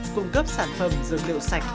cung cấp sản phẩm dược liệu sạch